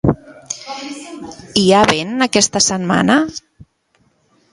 Hi ha vent aquesta setmana?